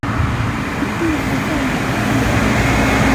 一定还在某个地方